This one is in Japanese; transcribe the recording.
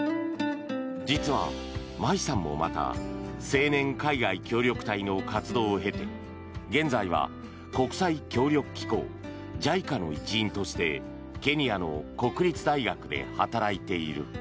実は、麻衣さんもまた青年海外協力隊の活動を経て現在は国際協力機構・ＪＩＣＡの一員としてケニアの国立大学で働いている。